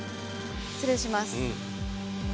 失礼します。